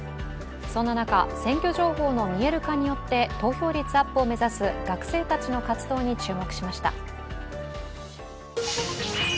そんな中、選挙情報の見える化によって投票率アップを目指す学生たちの活動に注目しました。